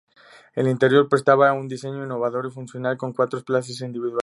El interior presentaba un diseño innovador y funcional, con cuatro plazas individuales.